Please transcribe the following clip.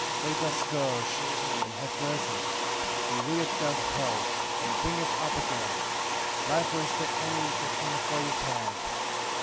13:2 For he doth scourge, and hath mercy: he leadeth down to hell, and bringeth up again: neither is there any that can avoid his hand.